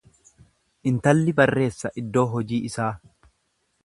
Intalli barreessa iddoo hojii isaa.